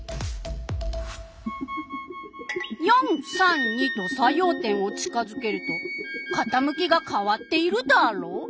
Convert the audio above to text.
４３２と作用点を近づけるとかたむきが変わっているダーロ！